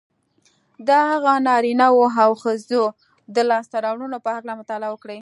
د هغو نارینهوو او ښځو د لاسته رواړنو په هکله مطالعه وکړئ